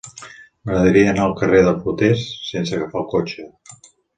M'agradaria anar al carrer de Clotés sense agafar el cotxe.